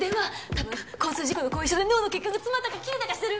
多分交通事故の後遺症で脳の血管が詰まったか切れたかしてる。